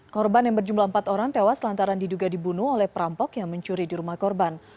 korban yang berjumlah empat orang tewas lantaran diduga dibunuh oleh perampok yang mencuri di rumah korban